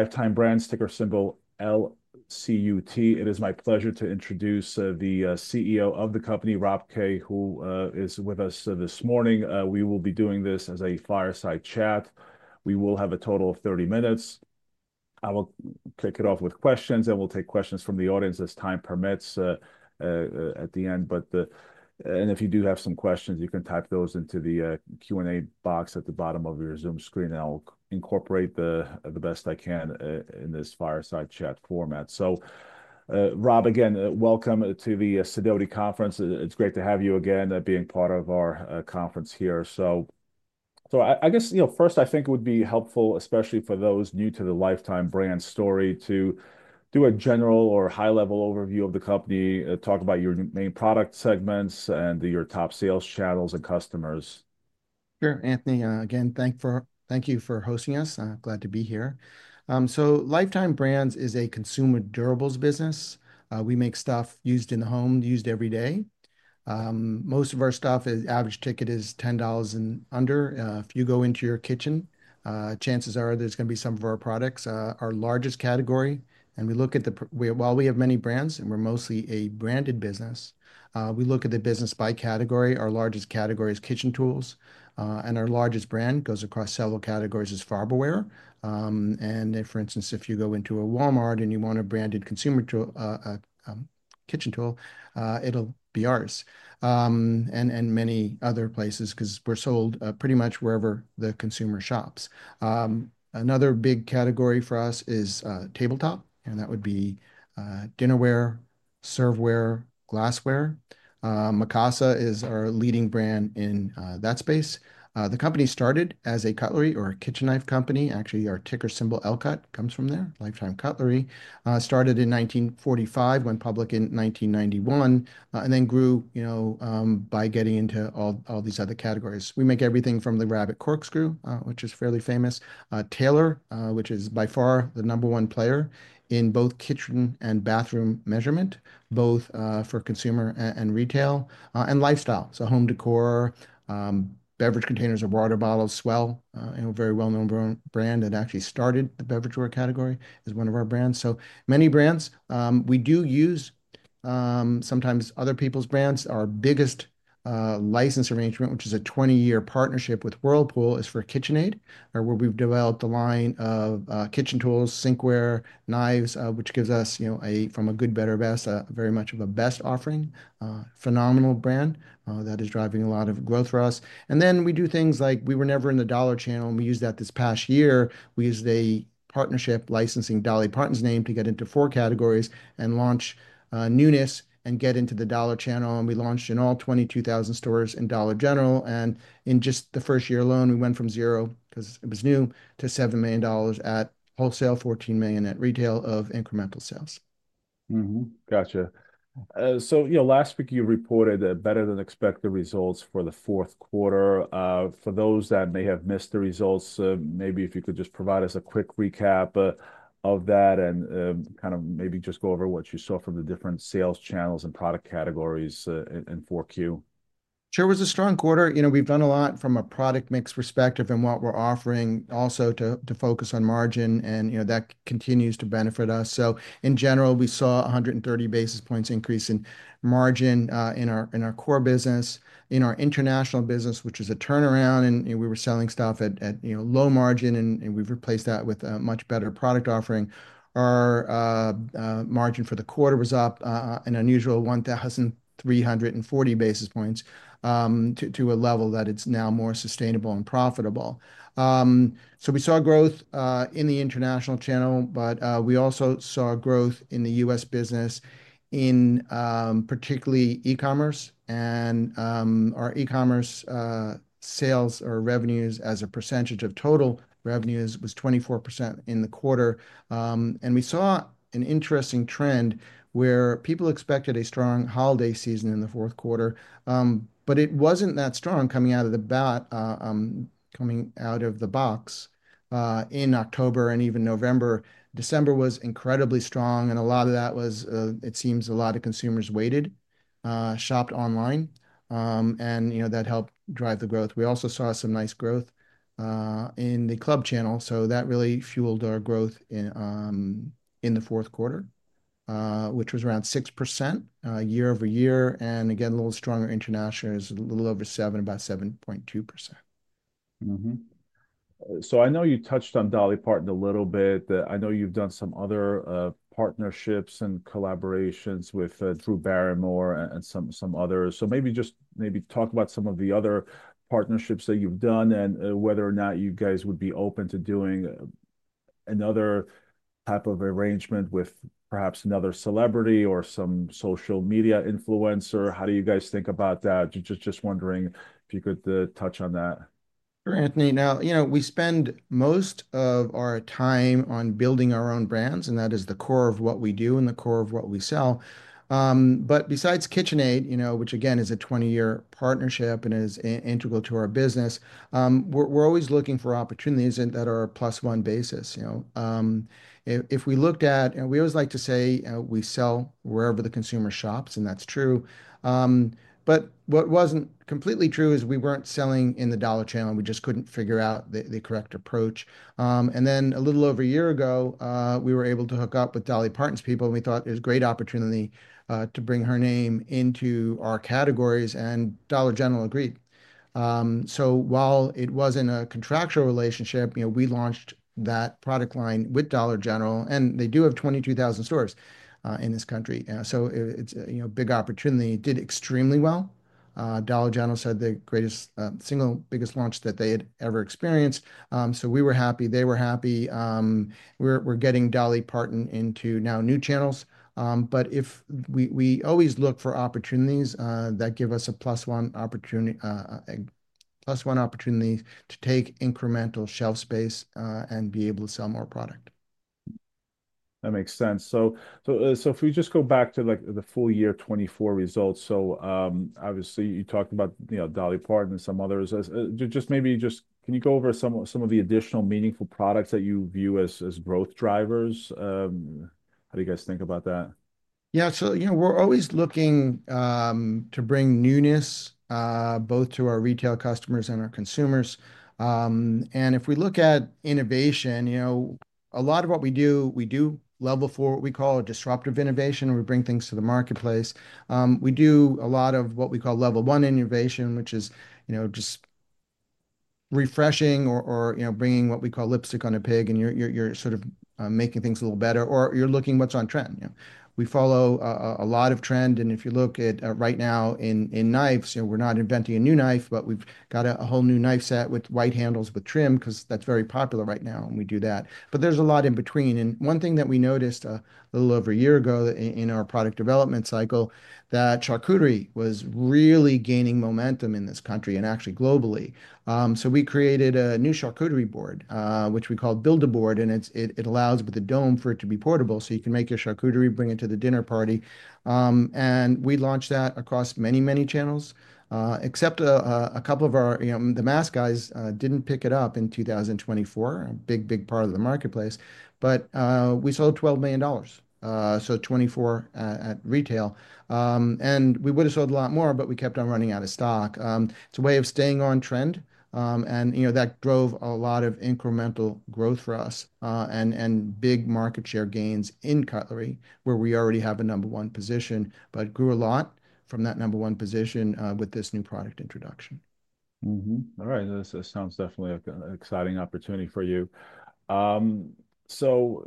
Lifetime Brands, ticker symbol LCUT. It is my pleasure to introduce the CEO of the company, Rob Kay, who is with us this morning. We will be doing this as a fireside chat. We will have a total of 30 minutes. I will kick it off with questions, and we'll take questions from the audience as time permits at the end. If you do have some questions, you can type those into the Q&A box at the bottom of your Zoom screen, and I'll incorporate the best I can in this fireside chat format. Rob, again, welcome to the Sidoti Conference. It's great to have you again being part of our conference here. I guess, you know, first, I think it would be helpful, especially for those new to the Lifetime Brands story, to do a general or high-level overview of the company, talk about your main product segments and your top sales channels and customers. Sure, Anthony. Again, thank you for hosting us. I'm glad to be here. Lifetime Brands is a consumer durables business. We make stuff used in the home, used every day. Most of our stuff, average ticket is $10 and under. If you go into your kitchen, chances are there's going to be some of our products. Our largest category, and we look at the, while we have many brands and we're mostly a branded business, we look at the business by category. Our largest category is kitchen tools, and our largest brand goes across several categories as Farberware. For instance, if you go into a Walmart and you want a branded consumer kitchen tool, it'll be ours and many other places because we're sold pretty much wherever the consumer shops. Another big category for us is tabletop, and that would be dinnerware, serveware, glassware. Mikasa is our leading brand in that space. The company started as a cutlery or kitchen knife company. Actually, our ticker symbol LCUT comes from there. Lifetime Cutlery started in 1945, went public in 1991, and then grew, you know, by getting into all these other categories. We make everything from the Rabbit corkscrew, which is fairly famous. Taylor, which is by far the number one player in both kitchen and bathroom measurement, both for consumer and retail and lifestyle. Home decor, beverage containers or water bottles, S'well, a very well-known brand that actually started the beverage category as one of our brands. So many brands we do use. Sometimes other people's brands. Our biggest license arrangement, which is a 20-year partnership with Whirlpool, is for KitchenAid, where we've developed a line of kitchen tools, sinkware, knives, which gives us, you know, from a good, better, best, very much of a best offering. Phenomenal brand that is driving a lot of growth for us. We do things like we were never in the Dollar Channel. We used that this past year. We used a partnership licensing Dolly Parton's name to get into four categories and launch newness and get into the Dollar Channel. We launched in all 22,000 stores in Dollar General. In just the first year alone, we went from zero because it was new to $7 million at wholesale, $14 million at retail of incremental sales. Gotcha. You know, last week you reported better than expected results for the fourth quarter. For those that may have missed the results, maybe if you could just provide us a quick recap of that and kind of maybe just go over what you saw from the different sales channels and product categories in 4Q. Sure. It was a strong quarter. You know, we've done a lot from a product mix perspective and what we're offering also to focus on margin. You know, that continues to benefit us. In general, we saw 130 basis points increase in margin in our core business, in our international business, which is a turnaround. We were selling stuff at low margin, and we've replaced that with a much better product offering. Our margin for the quarter was up an unusual 1,340 basis points to a level that it's now more sustainable and profitable. We saw growth in the international channel, but we also saw growth in the U.S. business, particularly e-commerce. Our e-commerce sales or revenues as a percentage of total revenues was 24% in the quarter. We saw an interesting trend where people expected a strong holiday season in the fourth quarter, but it was not that strong coming out of the box in October and even November. December was incredibly strong, and a lot of that was, it seems, a lot of consumers waited, shopped online, and, you know, that helped drive the growth. We also saw some nice growth in the club channel, so that really fueled our growth in the fourth quarter, which was around 6% year-over-year. Again, a little stronger international is a little over 7, about 7.2%. I know you touched on Dolly Parton a little bit. I know you've done some other partnerships and collaborations with Drew Barrymore and some others. Maybe just maybe talk about some of the other partnerships that you've done and whether or not you guys would be open to doing another type of arrangement with perhaps another celebrity or some social media influencer. How do you guys think about that? Just wondering if you could touch on that. Sure, Anthony. Now, you know, we spend most of our time on building our own brands, and that is the core of what we do and the core of what we sell. But besides KitchenAid, you know, which again is a 20-year partnership and is integral to our business, we're always looking for opportunities that are a plus one basis. You know, if we looked at, we always like to say we sell wherever the consumer shops, and that's true. What wasn't completely true is we weren't selling in the Dollar Channel. We just couldn't figure out the correct approach. A little over a year ago, we were able to hook up with Dolly Parton's people, and we thought it was a great opportunity to bring her name into our categories, and Dollar General agreed. While it wasn't a contractual relationship, you know, we launched that product line with Dollar General, and they do have 22,000 stores in this country. It's a big opportunity. Did extremely well. Dollar General said the greatest single biggest launch that they had ever experienced. We were happy. They were happy. We're getting Dolly Parton into now new channels. We always look for opportunities that give us a plus one opportunity, plus one opportunity to take incremental shelf space and be able to sell more product. That makes sense. If we just go back to the full year 2024 results, obviously you talked about Dolly Parton and some others. Maybe just can you go over some of the additional meaningful products that you view as growth drivers? How do you guys think about that? Yeah. You know, we're always looking to bring newness both to our retail customers and our consumers. If we look at innovation, a lot of what we do, we do level four, what we call disruptive innovation, and we bring things to the marketplace. We do a lot of what we call level one innovation, which is, you know, just refreshing or, you know, bringing what we call lipstick on a pig and you're sort of making things a little better or you're looking what's on trend. We follow a lot of trend. If you look at right now in knives, you know, we're not inventing a new knife, but we've got a whole new knife set with white handles with trim because that's very popular right now. We do that. There's a lot in between. One thing that we noticed a little over a year ago in our product development cycle is that charcuterie was really gaining momentum in this country and actually globally. We created a new charcuterie board, which we called Build-A-Board, and it allows with a dome for it to be portable so you can make your charcuterie, bring it to the dinner party. We launched that across many, many channels, except a couple of our, you know, the mass guys did not pick it up in 2024, a big, big part of the marketplace, but we sold $12 million. So 24 at retail. We would have sold a lot more, but we kept on running out of stock. It is a way of staying on trend. You know, that drove a lot of incremental growth for us and big market share gains in cutlery where we already have a number one position, but grew a lot from that number one position with this new product introduction. All right. This sounds definitely like an exciting opportunity for you. You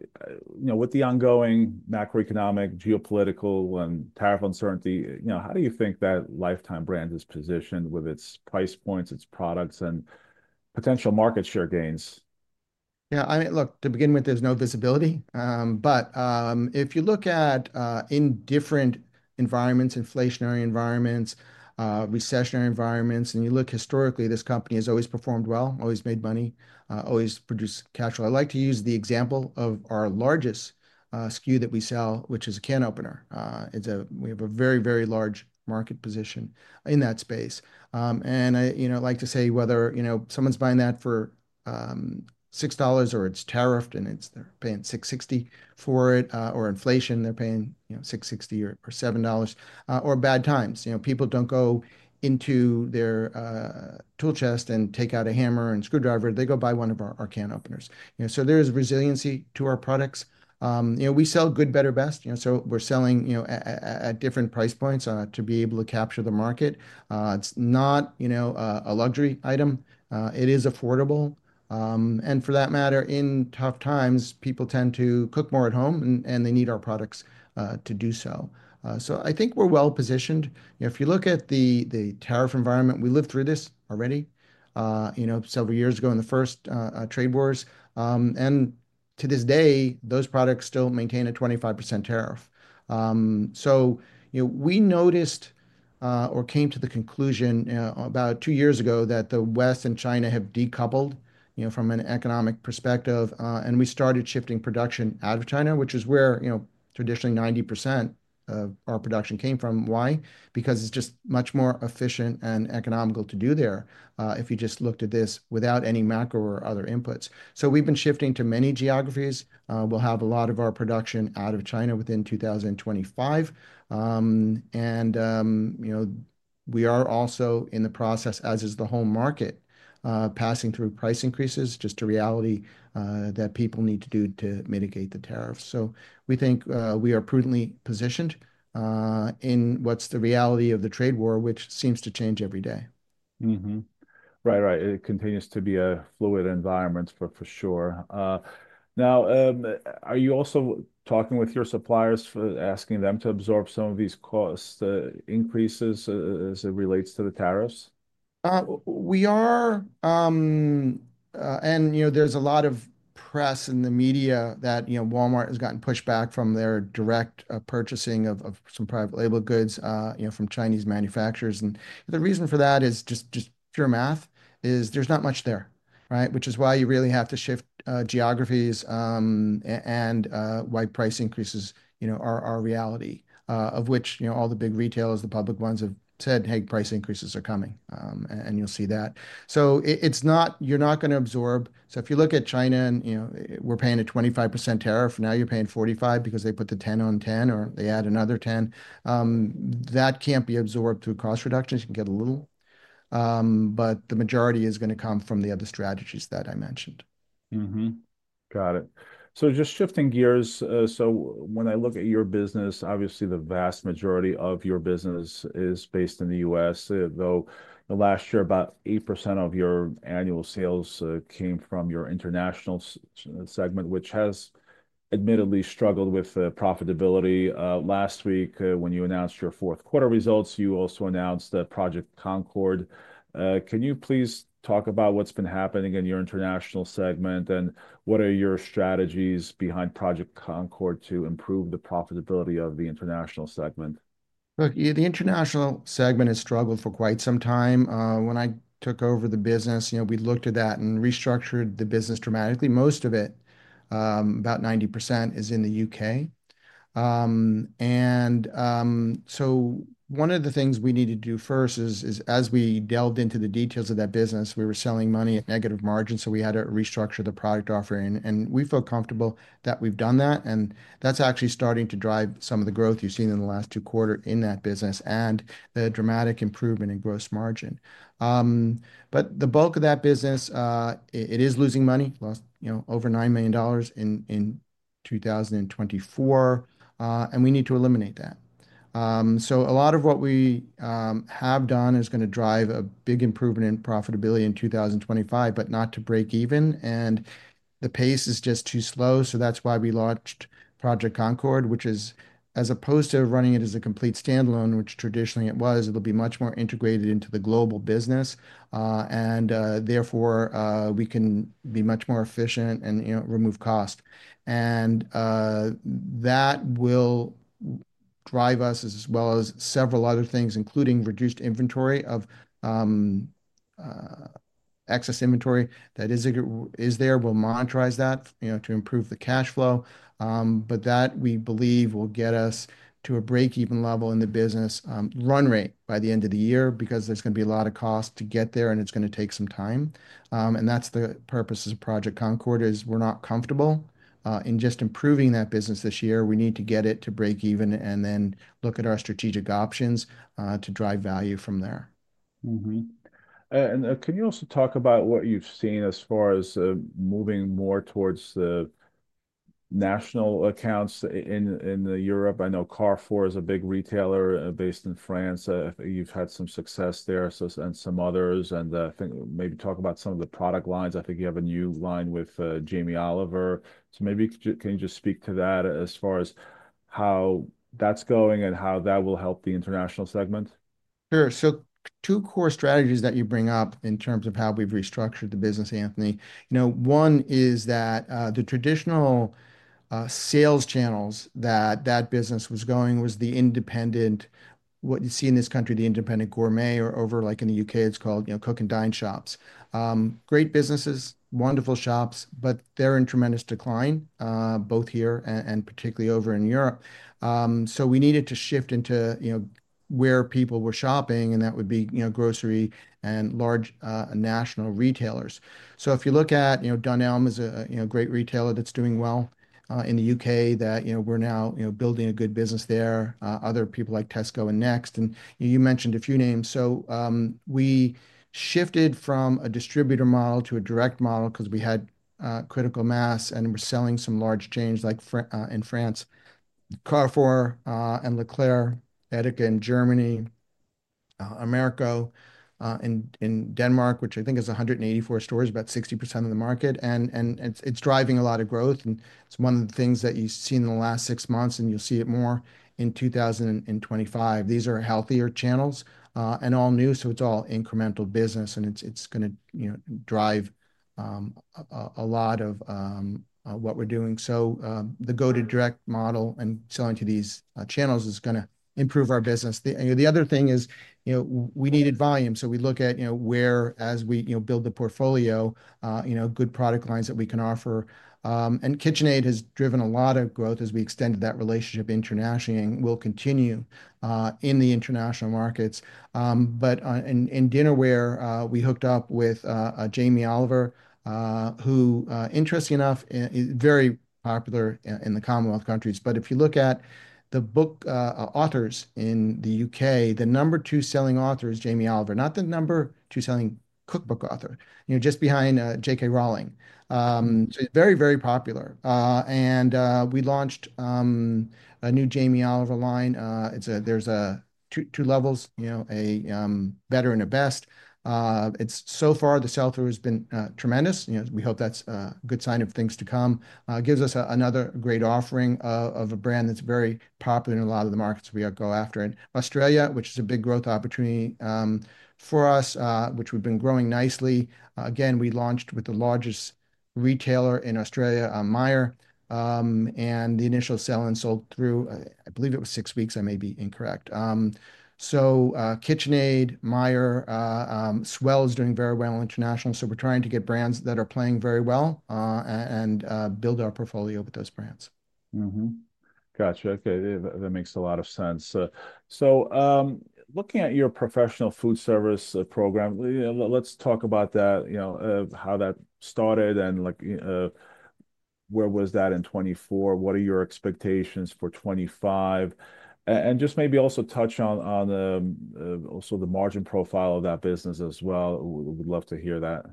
know, with the ongoing macroeconomic, geopolitical, and tariff uncertainty, you know, how do you think that Lifetime Brands is positioned with its price points, its products, and potential market share gains? Yeah. I mean, look, to begin with, there's no visibility. If you look at in different environments, inflationary environments, recessionary environments, and you look historically, this company has always performed well, always made money, always produced cash flow. I like to use the example of our largest SKU that we sell, which is a can opener. We have a very, very large market position in that space. I, you know, like to say whether, you know, someone's buying that for $6 or it's tariffed and they're paying $6.60 for it, or inflation, they're paying, you know, $6.60 or $7 or bad times. You know, people don't go into their tool chest and take out a hammer and screwdriver. They go buy one of our can openers. You know, so there is resiliency to our products. You know, we sell good, better, best. You know, so we're selling, you know, at different price points to be able to capture the market. It's not, you know, a luxury item. It is affordable. And for that matter, in tough times, people tend to cook more at home, and they need our products to do so. I think we're well positioned. If you look at the tariff environment, we lived through this already, you know, several years ago in the first trade wars. To this day, those products still maintain a 25% tariff. You know, we noticed or came to the conclusion about two years ago that the West and China have decoupled, you know, from an economic perspective. We started shifting production out of China, which is where, you know, traditionally 90% of our production came from. Why? Because it's just much more efficient and economical to do there if you just looked at this without any macro or other inputs. We have been shifting to many geographies. We will have a lot of our production out of China within 2025. And, you know, we are also in the process, as is the whole market, passing through price increases just to reality that people need to do to mitigate the tariffs. We think we are prudently positioned in what's the reality of the trade war, which seems to change every day. Right, right. It continues to be a fluid environment for sure. Now, are you also talking with your suppliers, asking them to absorb some of these cost increases as it relates to the tariffs? We are. You know, there's a lot of press in the media that, you know, Walmart has gotten pushback from their direct purchasing of some private label goods, you know, from Chinese manufacturers. The reason for that is just pure math. There's not much there, right? Which is why you really have to shift geographies and why price increases, you know, are a reality of which, you know, all the big retailers, the public ones have said, "Hey, price increases are coming," and you'll see that. It's not, you're not going to absorb. If you look at China and, you know, we're paying a 25% tariff. Now you're paying 45% because they put the 10 on 10 or they add another 10. That can't be absorbed through cost reductions. You can get a little, but the majority is going to come from the other strategies that I mentioned. Got it. Just shifting gears. When I look at your business, obviously the vast majority of your business is based in the US, though last year about 8% of your annual sales came from your international segment, which has admittedly struggled with profitability. Last week when you announced your fourth quarter results, you also announced Project Concord. Can you please talk about what's been happening in your international segment and what are your strategies behind Project Concord to improve the profitability of the international segment? Look, the international segment has struggled for quite some time. When I took over the business, you know, we looked at that and restructured the business dramatically. Most of it, about 90%, is in the U.K. One of the things we need to do first is, as we delved into the details of that business, we were selling money at negative margin. We had to restructure the product offering. We feel comfortable that we've done that. That is actually starting to drive some of the growth you've seen in the last two quarters in that business and a dramatic improvement in gross margin. The bulk of that business, it is losing money, lost, you know, over $9 million in 2024. We need to eliminate that. A lot of what we have done is going to drive a big improvement in profitability in 2025, but not to break even. The pace is just too slow. That is why we launched Project Concord, which is, as opposed to running it as a complete standalone, which traditionally it was, it will be much more integrated into the global business. Therefore, we can be much more efficient and, you know, remove cost. That will drive us as well as several other things, including reduced inventory of excess inventory that is there. We will monetize that, you know, to improve the cash flow. That we believe will get us to a break-even level in the business run rate by the end of the year because there is going to be a lot of cost to get there and it is going to take some time. The purpose of Project Concord is we're not comfortable in just improving that business this year. We need to get it to break even and then look at our strategic options to drive value from there. Can you also talk about what you've seen as far as moving more towards the national accounts in Europe? I know Carrefour is a big retailer based in France. You've had some success there, and some others. I think maybe talk about some of the product lines. I think you have a new line with Jamie Oliver. Maybe can you just speak to that as far as how that's going and how that will help the international segment? Sure. Two core strategies that you bring up in terms of how we've restructured the business, Anthony. One is that the traditional sales channels that that business was going was the independent, what you see in this country, the independent gourmet or over like in the U.K., it's called, you know, cook and dine shops. Great businesses, wonderful shops, but they're in tremendous decline, both here and particularly over in Europe. We needed to shift into, you know, where people were shopping, and that would be, you know, grocery and large national retailers. If you look at, you know, Dunelm is a great retailer that's doing well in the U.K. that, you know, we're now, you know, building a good business there. Other people like Tesco and Next, and you mentioned a few names. We shifted from a distributor model to a direct model because we had critical mass and we are selling some large chains like in France, Carrefour and Leclerc, Edeka in Germany, Imerco in Denmark, which I think is 184 stores, about 60% of the market. It is driving a lot of growth. It is one of the things that you have seen in the last six months, and you will see it more in 2025. These are healthier channels and all new. It is all incremental business, and it is going to, you know, drive a lot of what we are doing. The go-to-direct model and selling to these channels is going to improve our business. The other thing is, you know, we needed volume. We look at, you know, where as we, you know, build the portfolio, you know, good product lines that we can offer. KitchenAid has driven a lot of growth as we extended that relationship internationally and will continue in the international markets. In dinnerware, we hooked up with Jamie Oliver, who, interesting enough, is very popular in the Commonwealth countries. If you look at the book authors in the U.K., the number two selling author is Jamie Oliver, not the number two selling cookbook author, you know, just behind J.K. Rowling. Very, very popular. We launched a new Jamie Oliver line. There are two levels, you know, a better and a best. So far the sell-through has been tremendous. You know, we hope that's a good sign of things to come. It gives us another great offering of a brand that's very popular in a lot of the markets we go after in Australia, which is a big growth opportunity for us, which we've been growing nicely. Again, we launched with the largest retailer in Australia, Myer. The initial sell and sold through, I believe it was six weeks. I may be incorrect. KitchenAid, Myer, S'well is doing very well internationally. We are trying to get brands that are playing very well and build our portfolio with those brands. Gotcha. Okay. That makes a lot of sense. Looking at your professional food service program, let's talk about that, you know, how that started and like where was that in 2024? What are your expectations for 2025? Maybe also touch on also the margin profile of that business as well. We'd love to hear that.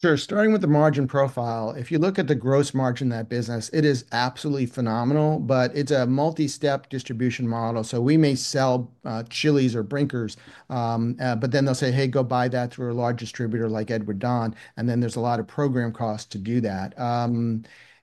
Sure. Starting with the margin profile, if you look at the gross margin of that business, it is absolutely phenomenal, but it's a multi-step distribution model. We may sell Chili's or Brinker's, but then they'll say, "Hey, go buy that through a large distributor like Edward Don." There are a lot of program costs to do that.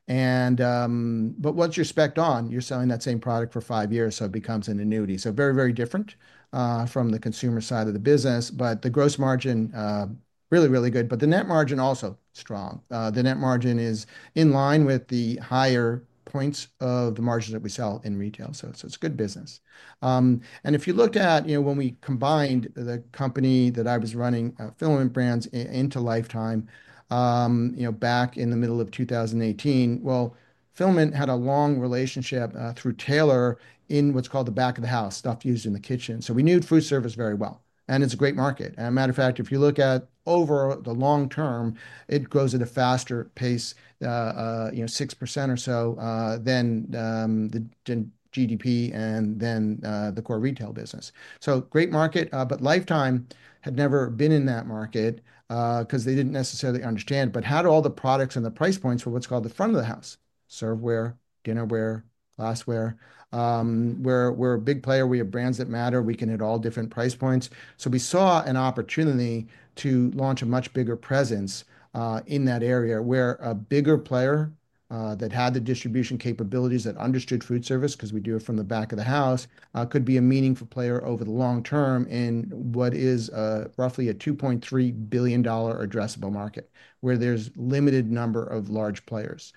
Once you're specked on, you're selling that same product for five years, so it becomes an annuity. Very, very different from the consumer side of the business, but the gross margin is really, really good, and the net margin is also strong. The net margin is in line with the higher points of the margin that we sell in retail. It's a good business. If you looked at, you know, when we combined the company that I was running, Filament Brands, into Lifetime, you know, back in the middle of 2018, Filament had a long relationship through Taylor in what's called the back of the house, stuff used in the kitchen. You know, we knew food service very well. It is a great market. As a matter of fact, if you look at over the long term, it grows at a faster pace, you know, 6% or so, than the GDP and then the core retail business. Great market, but Lifetime had never been in that market because they did not necessarily understand, but how do all the products and the price points for what's called the front of the house, serveware, dinnerware, glassware, we are a big player. We have brands that matter. We can hit all different price points. We saw an opportunity to launch a much bigger presence in that area where a bigger player that had the distribution capabilities that understood food service because we do it from the back of the house could be a meaningful player over the long term in what is roughly a $2.3 billion addressable market where there's a limited number of large players.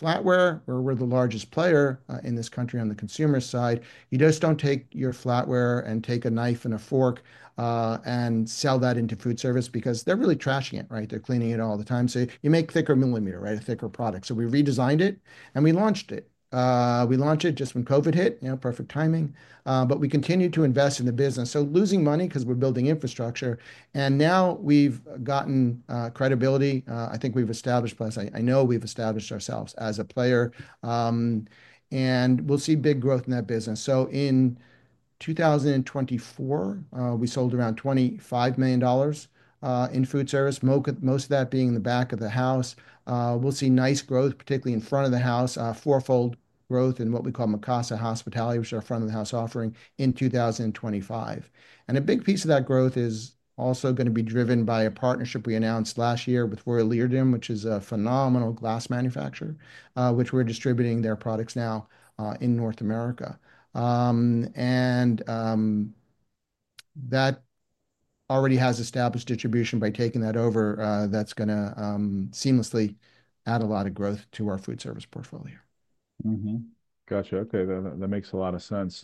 Flatware, we're the largest player in this country on the consumer side. You just don't take your flatware and take a knife and a fork and sell that into food service because they're really trashing it, right? They're cleaning it all the time. You make thicker millimeter, right? A thicker product. We redesigned it and we launched it. We launched it just when COVID hit, you know, perfect timing. We continued to invest in the business. Losing money because we're building infrastructure. Now we've gotten credibility. I think we've established, I know we've established ourselves as a player. We'll see big growth in that business. In 2024, we sold around $25 million in food service, most of that being in the back of the house. We'll see nice growth, particularly in front of the house, four-fold growth in what we call Mikasa Hospitality, which is our front of the house offering in 2025. A big piece of that growth is also going to be driven by a partnership we announced last year with Luigi Bormioli, which is a phenomenal glass manufacturer, which we're distributing their products now in North America. That already has established distribution by taking that over. That's going to seamlessly add a lot of growth to our food service portfolio. Gotcha. Okay. That makes a lot of sense.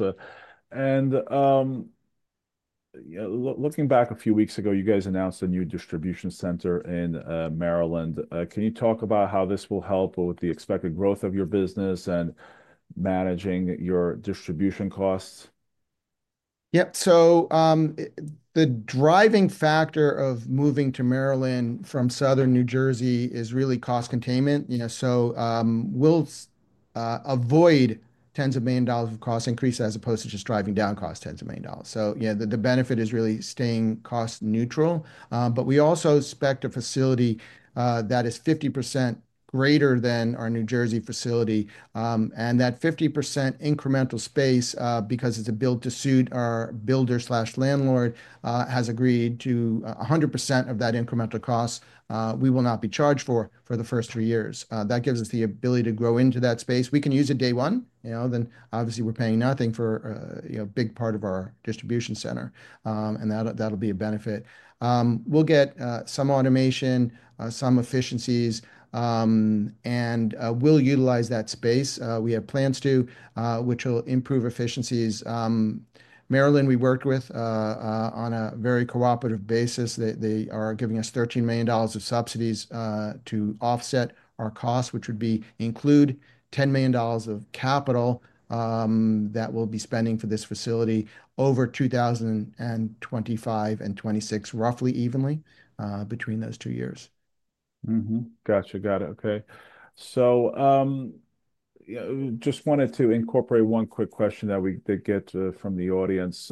Looking back a few weeks ago, you guys announced a new distribution center in Maryland. Can you talk about how this will help with the expected growth of your business and managing your distribution costs? Yep. The driving factor of moving to Maryland from Southern New Jersey is really cost containment. You know, we'll avoid tens of million dollars of cost increase as opposed to just driving down cost tens of million dollars. You know, the benefit is really staying cost neutral. We also specced a facility that is 50% greater than our New Jersey facility. That 50% incremental space, because it's a build to suit, our builder slash landlord has agreed to 100% of that incremental cost we will not be charged for for the first three years. That gives us the ability to grow into that space. We can use it day one. You know, obviously we're paying nothing for a big part of our distribution center. That'll be a benefit. We'll get some automation, some efficiencies, and we'll utilize that space. We have plans to, which will improve efficiencies. Maryland, we work with on a very cooperative basis. They are giving us $13 million of subsidies to offset our costs, which would include $10 million of capital that we will be spending for this facility over 2025 and 2026, roughly evenly between those two years. Gotcha. Got it. Okay. Just wanted to incorporate one quick question that we did get from the audience.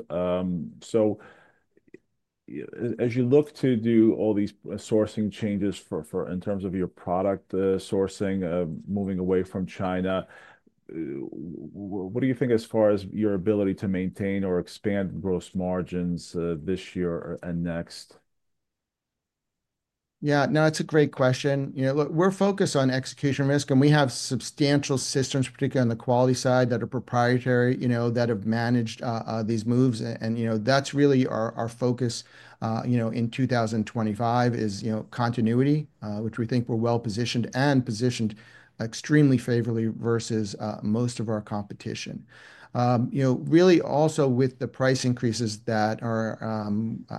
As you look to do all these sourcing changes in terms of your product sourcing, moving away from China, what do you think as far as your ability to maintain or expand gross margins this year and next? Yeah. Now it's a great question. You know, we're focused on execution risk, and we have substantial systems, particularly on the quality side, that are proprietary, you know, that have managed these moves. And you know, that's really our focus, you know, in 2025 is, you know, continuity, which we think we're well positioned and positioned extremely favorably versus most of our competition. You know, really also with the price increases that are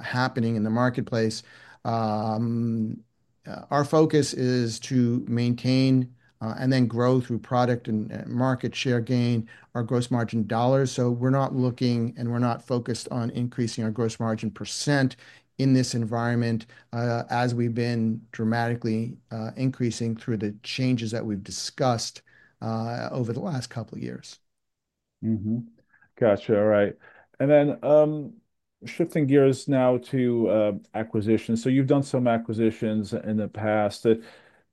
happening in the marketplace, our focus is to maintain and then grow through product and market share gain, our gross margin dollars. So we're not looking and we're not focused on increasing our gross margin percent in this environment as we've been dramatically increasing through the changes that we've discussed over the last couple of years. Gotcha. All right. Shifting gears now to acquisitions. You have done some acquisitions in the past. You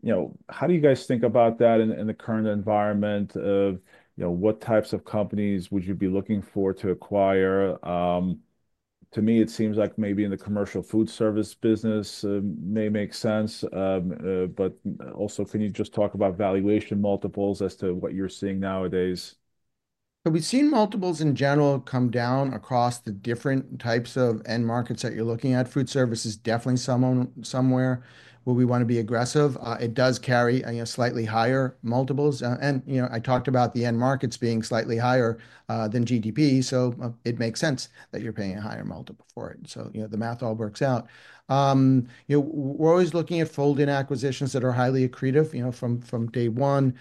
know, how do you guys think about that in the current environment of, you know, what types of companies would you be looking for to acquire? To me, it seems like maybe in the commercial food service business may make sense. Also, can you just talk about valuation multiples as to what you are seeing nowadays? We've seen multiples in general come down across the different types of end markets that you're looking at. Food service is definitely somewhere where we want to be aggressive. It does carry, you know, slightly higher multiples. And you know, I talked about the end markets being slightly higher than GDP. It makes sense that you're paying a higher multiple for it. You know, the math all works out. You know, we're always looking at fold-in acquisitions that are highly accretive, you know, from day one.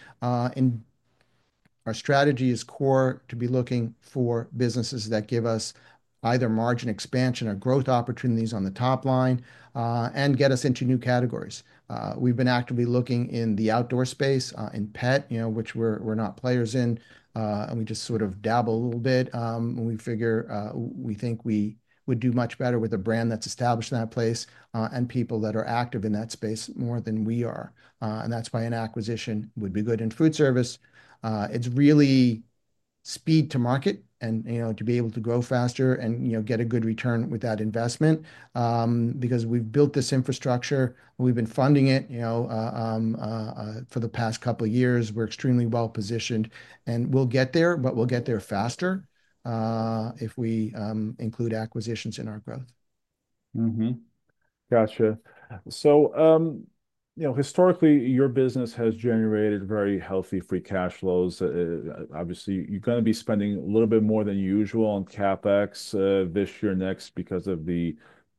Our strategy is core to be looking for businesses that give us either margin expansion or growth opportunities on the top line and get us into new categories. We've been actively looking in the outdoor space in pet, you know, which we're not players in. We just sort of dabble a little bit. We figure we think we would do much better with a brand that's established in that place and people that are active in that space more than we are. That's why an acquisition would be good. In food service, it's really speed to market and, you know, to be able to grow faster and, you know, get a good return with that investment because we've built this infrastructure. We've been funding it, you know, for the past couple of years. We're extremely well positioned and we'll get there, but we'll get there faster if we include acquisitions in our growth. Gotcha. So you know, historically, your business has generated very healthy free cash flows. Obviously, you're going to be spending a little bit more than usual on CapEx this year and next because of the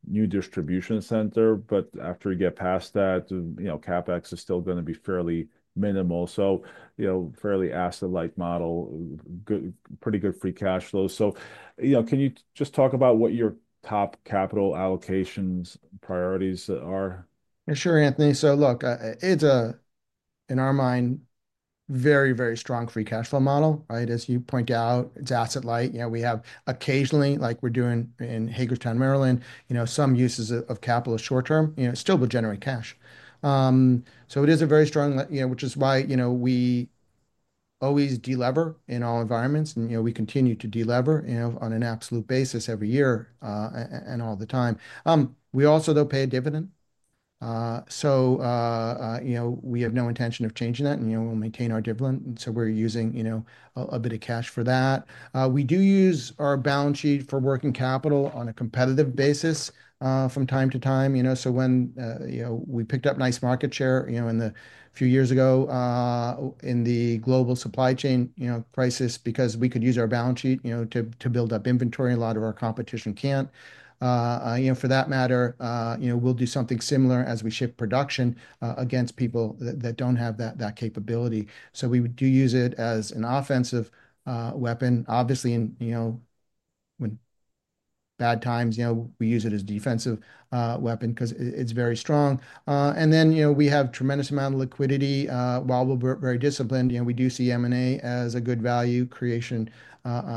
new distribution center. After you get past that, you know, CapEx is still going to be fairly minimal. So you know, fairly asset-like model, pretty good free cash flow. So you know, can you just talk about what your top capital allocations priorities are? Sure, Anthony. So look, it's in our mind, very, very strong free cash flow model, right? As you point out, it's asset-like. You know, we have occasionally, like we're doing in Hagerstown, Maryland, you know, some uses of capital short-term, you know, still will generate cash. It is a very strong, you know, which is why, you know, we always delever in all environments. You know, we continue to delever, you know, on an absolute basis every year and all the time. We also, though, pay a dividend. You know, we have no intention of changing that and, you know, we'll maintain our dividend. So we're using, you know, a bit of cash for that. We do use our balance sheet for working capital on a competitive basis from time to time, you know. When, you know, we picked up nice market share, you know, a few years ago in the global supply chain crisis, because we could use our balance sheet, you know, to build up inventory. A lot of our competition can't, you know, for that matter, you know, we'll do something similar as we ship production against people that don't have that capability. We do use it as an offensive weapon. Obviously, in, you know, bad times, you know, we use it as a defensive weapon because it's very strong. You know, we have a tremendous amount of liquidity while we're very disciplined. You know, we do see M&A as a good value creation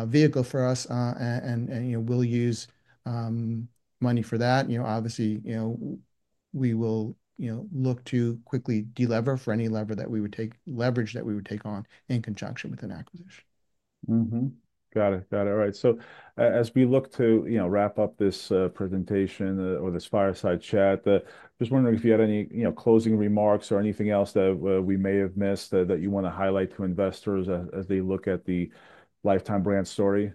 vehicle for us. You know, we'll use money for that. You know, obviously, you know, we will, you know, look to quickly delever for any lever that we would take, leverage that we would take on in conjunction with an acquisition. Got it. Got it. All right. As we look to, you know, wrap up this presentation or this fireside chat, just wondering if you had any, you know, closing remarks or anything else that we may have missed that you want to highlight to investors as they look at the Lifetime Brands story?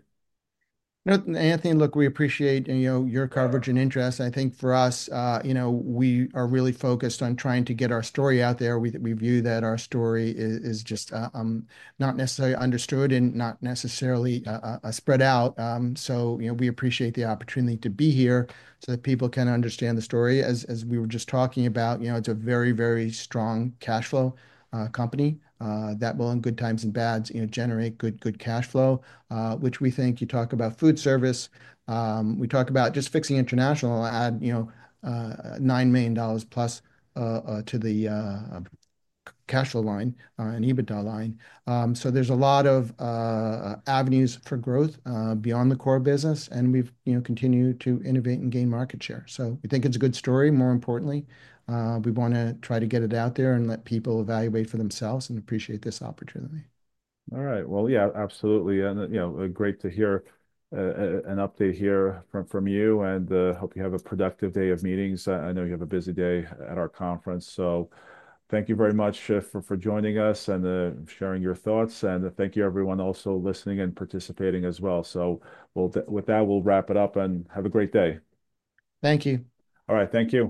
Anthony, look, we appreciate, you know, your coverage and interest. I think for us, you know, we are really focused on trying to get our story out there. We view that our story is just not necessarily understood and not necessarily spread out. You know, we appreciate the opportunity to be here so that people can understand the story. As we were just talking about, you know, it's a very, very strong cash flow company that will, in good times and bads, you know, generate good, good cash flow, which we think you talk about food service. We talk about just fixing international, add, you know, $9 million plus to the cash flow line and EBITDA line. There is a lot of avenues for growth beyond the core business. We have, you know, continued to innovate and gain market share. We think it's a good story. More importantly, we want to try to get it out there and let people evaluate for themselves and appreciate this opportunity. All right. Yeah, absolutely. You know, great to hear an update here from you and hope you have a productive day of meetings. I know you have a busy day at our conference. Thank you very much for joining us and sharing your thoughts. Thank you, everyone also listening and participating as well. With that, we'll wrap it up and have a great day. Thank you. All right. Thank you.